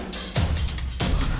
malin jangan lupa